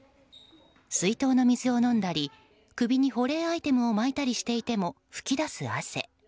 水筒の水を飲んだり首に保冷アイテムを巻いたりしていても噴き出す汗。